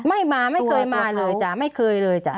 ไม่มาไม่เคยมาเลยจ้ะไม่เคยเลยจ้ะ